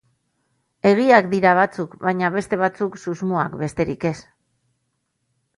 Egiak dira batzuk, baina beste batzuk susmoak besterik ez.